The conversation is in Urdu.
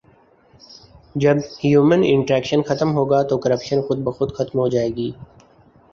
جب ہیومن انٹریکشن ختم ہوگا تو کرپشن خودبخود ختم ہو جائے گی